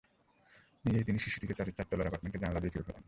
নিজেই তিনি শিশুটিকে তাঁদের চার তলার অ্যাপার্টমেন্টের জানালা দিয়ে ছুড়ে ফেলেন।